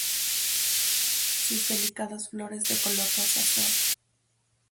Sus delicadas flores de color rosa suave.